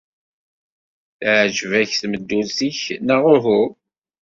Teɛjeb-ak tmeddurt-nnek, neɣ uhu?